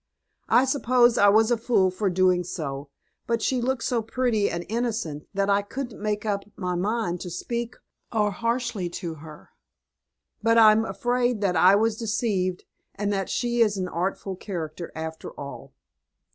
I suppose I was a fool for doing so, but she looked so pretty and innocent that I couldn't make up my mind to speak or harshly to her. But I'm afraid that I was deceived, and that she is an artful character, after all."